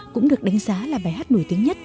cũng được đánh giá là bài hát nổi tiếng nhất